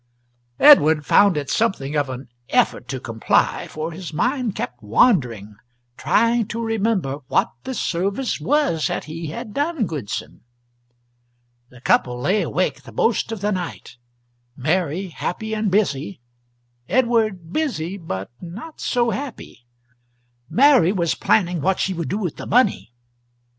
Edward found it something of an effort to comply, for his mind kept wandering trying to remember what the service was that he had done Goodson. The couple lay awake the most of the night, Mary happy and busy, Edward busy, but not so happy. Mary was planning what she would do with the money.